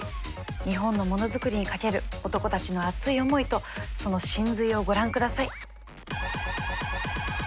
日本のものづくりにかける男たちの熱い思いとその神髄をご覧下さい。